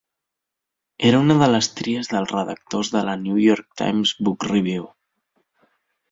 Era una de les tries dels redactors de la "New York Times Book Review".